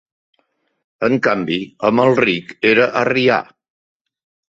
En canvi, Amalric era arrià.